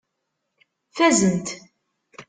Fazent.